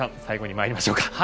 最後に参りましょうか。